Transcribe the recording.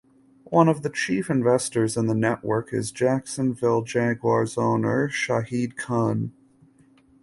One of the chief investors in the network is Jacksonville Jaguars owner Shahid Khan.